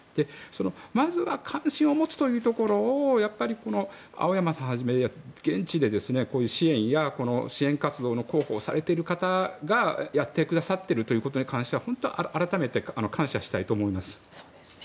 まずは関心を持つということを青山さんをはじめ現地で支援や支援活動の広報をされている方がやってくださっていることに関して改めて感謝したいと思います。